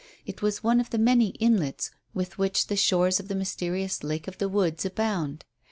It was one of the many inlets with which the shores of the mysterious Lake of the Woods abound.